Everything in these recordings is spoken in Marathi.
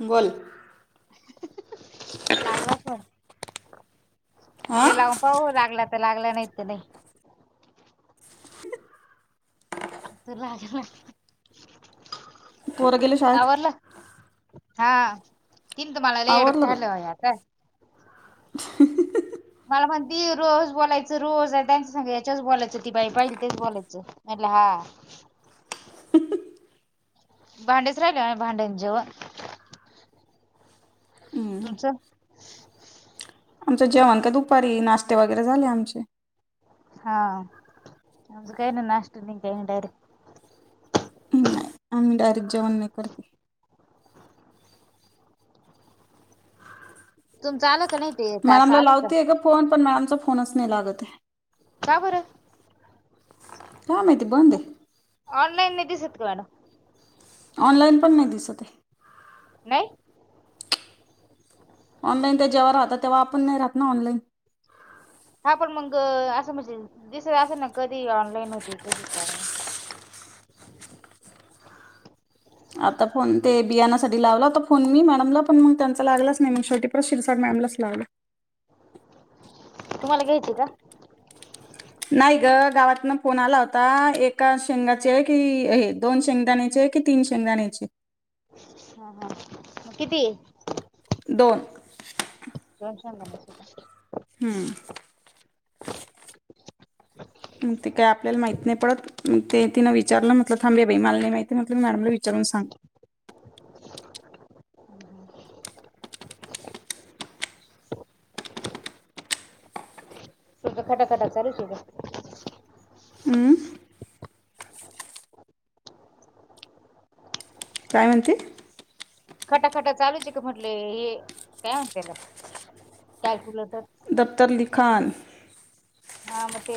बोल लागला फोन हा म्हले लावून पाहू लागला तर लागला नाही तर नाही. [unintelligible] पोर गेले शाळेत? आवरलं हा तीन तुम्हाला लय येडत आवरलं बाई काडल बागा. [unintelligible] मला म्हण ती रोज बोलायचं रोज त्यांच सांग याच्याच बोलायचं ती बाई पाहिली तेच बोलायचं. ल हा. भांडेच राहिले भांड्यां जेव हम्म. तुमच? आमचं जेवण का दुपारी. नाश्ते वगैरे झाले आमचे. [unintelligible] नाही, आम्ही डायरेक्ट जेवण नाही करत. तुमच आल? मॅडमला लावतेय का फोन पण मॅडमचा फोनच नाही लागत ये. का बरं? का माहिती बंद ये. ऑनलईन नाई दिसत का मॅडम? ऑनलाइन पण नाही दिसत ये. नाही? ऑनलाईन त्या जेव्हा राहतात तेव्हा आपण नाही राहत ना ऑनलाईन. [inaudible] हा पण मग असं म्हणजे दिसत असं ना कधी ऑनलाईन होती कधी काय [inaudible] आता फोन ते बियाणासाठी लावलाता फोन मी मॅडमला पण मग त्यांचा लागलाच नाही, मग शेवटी शिरसाट मॅडम [unintelligible] तुम्हाला घ्यायची का? नाही ग गावातनं फोन आला होता एका शेंगाचे की हे दोन शेंगदाण्याचे की तीन शेंगदाण्याचे? ह ह किती? दोन [inaudible] हम्म मग ते काय आपल्याला माहित नाही पडत ते तिनं विचारलं मग थांब बाई मला नाही माहि म्हटलं मी मॅडमला विचारून सांग ठी खटा खटा चालू ठीक आहे हमंम काय म्हणती खटाखटा चालूच आहे का म्हटले हे काय म्हगला कॅल्क्युलेटर दफतरली खान हा मग ते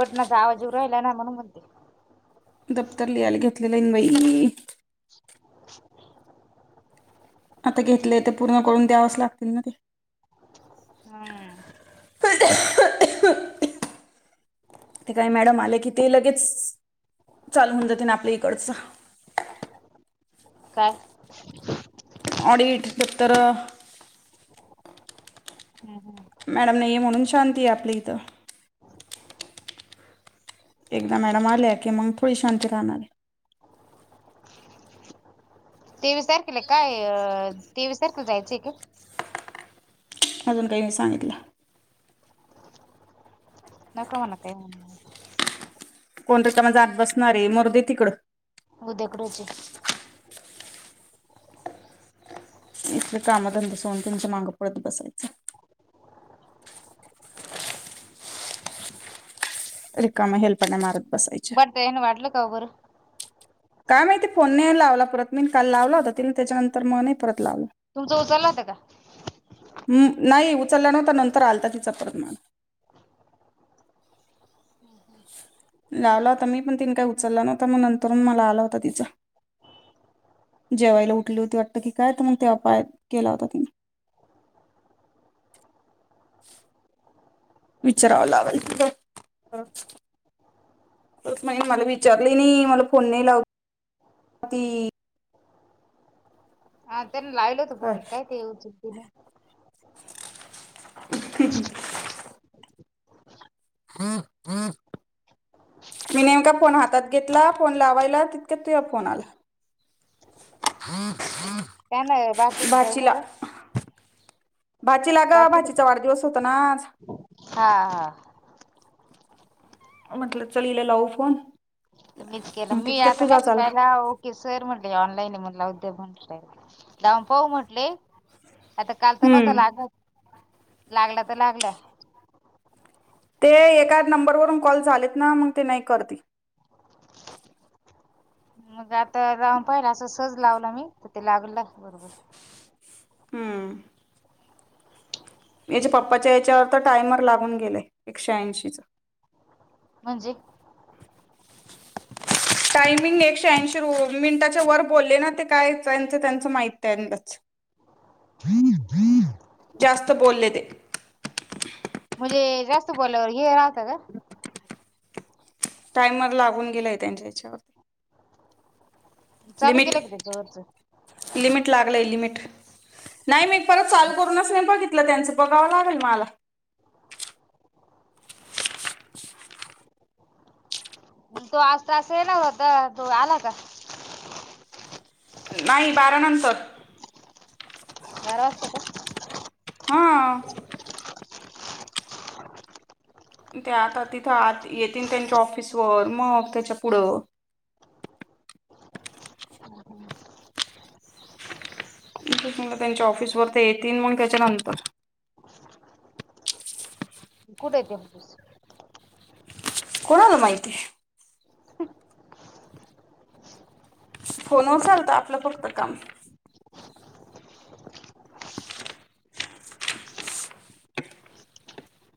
बटनाचा आवाजऊ राहिला ना म्हणून म्हणते कलान बाई [inaudible] आता घेतले ते पूर्ण करून द्यावच लागतील ना ते हम्म ते काही मॅडम आले की ते लगेच चाल होन जात ना आपल्या इकडच काय दत्तर हम् हम् मॅडम नाहीये म्हणून शांती आहे आपली इथं एकदा हम्म. मॅडम आले की मग थोडी शांत काणार तेवीस तारखेल आहे काय अ तेवीस तारखेला जायचं आहे का अजून काही मी सांगितलं नका म्हणा काय म्हण कोणतच्या म जात बसणार आहे मुर्दी तिकडं उदकडचे इल कामधंदा सोून त्यांुच्या माग पडत बसायचं ककाम हेल्प पण माार बट तेन वाटलं का बर काय माहिती फोनने लावला परत मी काल लावला होता तिने त्याच्यानंतर मग परत लावलं तुमचं उचलला होता का नता नंतर आलता तिचा प्रमान लावला होता मी पण तिने काही उचलला नव्हता मग नंतरून मला आला होता तिचा जेवायला उठली होती वाटत की काय तर मग ते अपाय केला होता तिने [inaudible] विचारावं लागल. [inaudible] मला विचारले नाही मला फोन नाही लाव ती हा त्याने लायलोत फोण काय ते येव चुध नाही [unintelligible] हम हम् [unintelligible] मी नेमका फोन हातात घेतला फोन लावायला तितक्या तुझा फोन आला. हा त्याना बार जाहिलय ग [unintelligible] भाची लाग भाजीचा वाढदिवस होत आज. हा हा म्हटलं चल हिला लावू फोन त मीच मग केलं मी तितक्यात आता म तुझाच आला पहिला ओके सर म्हण ऑनलाईन म्हला उद म्हट लाऊन पाहू म्हटले. आता काल तर नव्हत हम्म लागत लागला तर लागला. ते एका नंबरवरून कॉल झालेत ना मग ते नाही करते. मग आता लावून पाहिलं असं सहज लावला मी तर ते लागल बरोबर हम्म याच्या पप्पाच्या याच्यावर तर टायमर लागून गेलाय एकशे ऐंशीच. म्हणजे टायमिंग एकशे ऐंशी मिनिटाच्या वर बोलले ना ते काय त्यांचं त्यांचं माहित आहे त्यानाच. दीर दधीर [unintelligible] जास्त बोलले ते. ते जास्त बोलवर हे राहत का. टायमर लागून गेलाय त्यांच्या याच्यावरती, चालू लिमिट केलं की त्याच्या वरच लिमिट लागलंय लिमिट. नाही मी एक परत चालू करूनच नाही बघितलं त्यांचं बघावं लागेल मला तो आजता अस ये ना होता तू आला का. नाही बारा नंतर बारा वाजता का. हा त्या आता तिथं येतील त्यांच्या ऑफिसवर मग त्याच्या पुढं त्यांच्या ऑफिस वर तर येतील मग त्याच्यानंतर कुठ ेते हापूस कोणाल माहिती. फोन उचलता आपलं फक्त काम.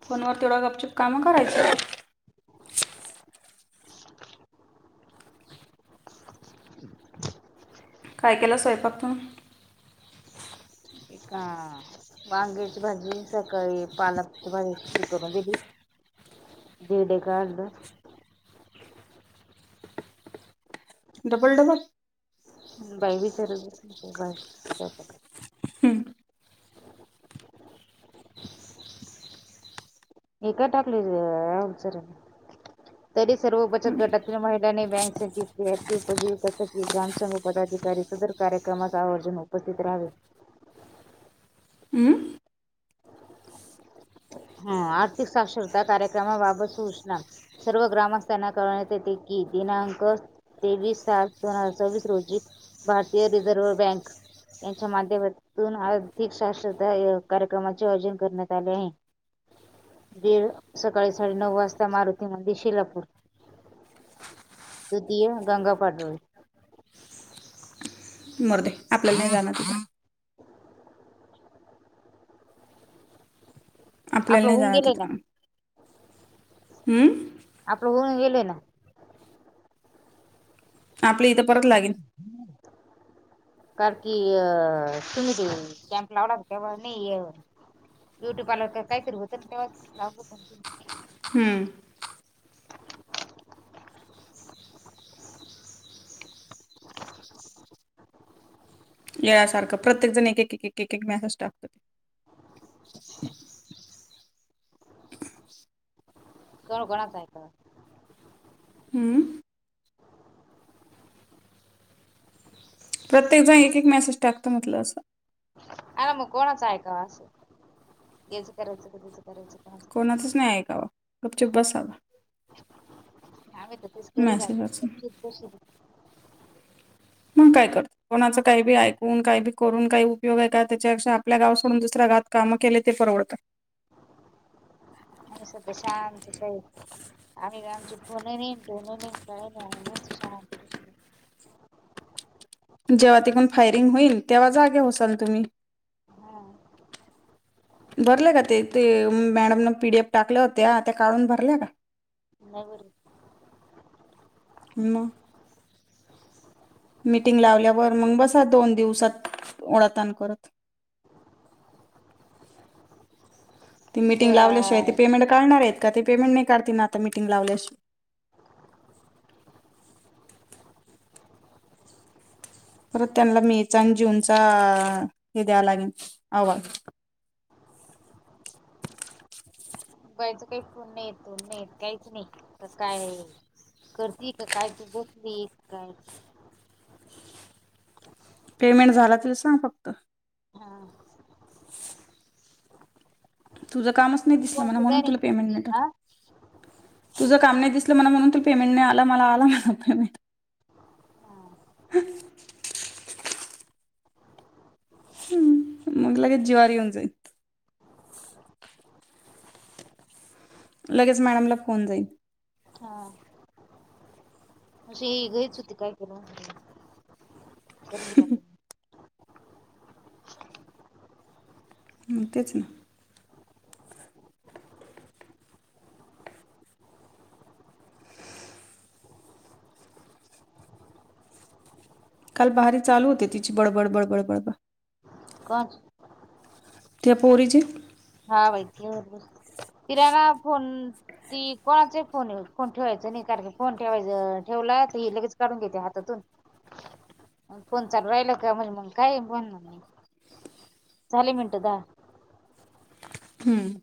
फोनवर तेवढं गपचुप कामं करायच. काय केलं स्वयंपाक तू का वांग्याची भाजी सकाळी पालकची भाजी सुकी करून दिली. धिरडे काढले. डबल डबल बाई विचार बा हे का टाकलीचर तरी सर्व बचत गटातील महिलांनी बँक शेअर उपजीविक ग्रामसघ पदाधआधी अधिकारी सदर कार्यक्रमाच आयोजन उपस्थित राहावे. हम्म हा आर्थिक साक्षरता कार्यक्रमाबाबत सूचना सर्व ग्रामस्थांना करण्यात येते की, दिनांक तेवीस सात दोन हजार सव्वीस रोजी. भारतीय रिझर्व बँक यांच्या माध्यमातून आर्थिक शाश्रता ए-कार्यक्रमाचे आयोजन करण्यात आले आहे. बीड सकाळी साडेनऊ वाजता मारुतीमंदिर शिलापूर. द्वितीय गंगा पाटोळे. मरुदे आपल्या नाही जाणार कुठं आपल्याला आपलं नाही होऊन जाणरं गेलंय ना तिथं.. हम्म आप होऊन गेले ना आपलं इथं परत लागेल [inaudible] कार की अ तुम्ही ते कॅम्प लावला तेव नाही ये ब्युटी पार्लर तर काहीतरी होत तेव्हाचं कि [inaudible] [inaudible] येळसारखं प्रत्येक जण एक एक एक मॅसेज टाकत [unintelligible] हम्म [unintelligible] प्रत्येक जण एक एक मेसेज टाकत म्हटलं असं. आला मग कोणाच आहेका असं याचा करायचा का त्याचं कोणाचचं नाही ऐकावं गपचुप बसावा. आम्ही तर तेच करु राहिलो गपचूप बसू मग काय करत कोणाच काही बी ऐकून काही बी करून काही उपयोग आहे का त्याच्यापेक्षा आपल्या गाव सोडून दुसऱ्या ग वात काम केले ते परवडत. आणि सध्या शांतेत आणि आमची फोनही नायं डोन नाय मस्त शांततेत. [inaudible] जेव्हा तिकून फायरिंग होईल तेव्हा जागे होसाल तुम्ही हम्म. भरले का ते ते मॅडमने पीडीएफ टाकल्या होत्या त्या काढून भरल्या का. नाही भर मग. मीटिंग लावल्यावर मग बस दोन दिवसात ओडाताण करत. [inaudible] ती मीटिंग लावल्याशिवाय ते त्या पेमेंट काढणार आहेत का ते पेमेंट नाही काढतील ना आता मीटिंग लावल्याशि परत त्यांना मेचा आणि जूनचा हे द्याव लागेल आ वा [inaudible] बायचं काही फोन नाय येत काय नायं काहीच नाही कायं करते का काय तू बसली काय. पेमेंट झाला त सांग फक्त हा. तुझं कामच नाही दिसलं म्हणून कोण तुला पेमेंट नाही हा टाकलं. तुझं काम नाही दिसलं म्हणून तरं पेमेंट नाही आला मला आला मला पेमेंट हा. हम्म मग लगेच जीवावर येऊन जाईन. लगेच मॅडमला फोन जाईन. हा अशी ही घरीच होती काय केलं तरी हिला पेमेंट. तेच ना. काल भारी चालू होती तिची बड बड बड बड बड बड कोणाची? त्या पोरीची. हा वैक बरर. फिराना फोन ती कोणाचे फोनण ठेवायच न फोन ठेवाय ठेव लगेच काढून घेते हातातून फोन चालू राहिल का म्हणजे मग काय म्हण. झाले मिनट दाहा. हम्म.